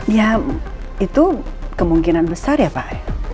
ya itu kemungkinan besar ya pak